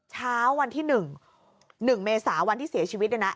เช้าวันที่๑๑เมษาวันที่เสียชีวิตเนี่ยนะ